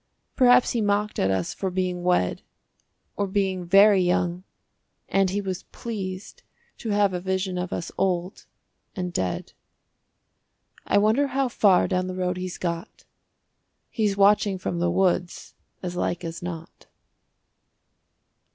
Perhaps he mocked at us for being wed, Or being very young (and he was pleased To have a vision of us old and dead). I wonder how far down the road he's got. He's watching from the woods as like as not.